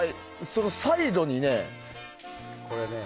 サイドに。